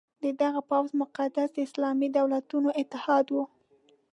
د دغه پوځ مقصد د اسلامي دولتونو اتحاد وو.